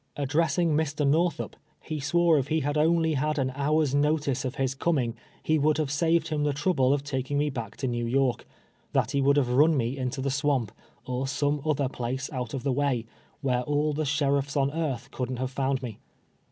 Ad dressing Mr. jSTorthup, he swore if he had only had an hour's notice of his coming, he woidd have saved him the trouble of taking me back to Kew York ; that he would have run me into the swamp, or some other place out of the way, where all the sheriii's on earth coulthTt have found me.